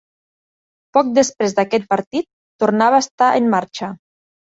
Poc després d'aquest partit, tornava a estar en marcha.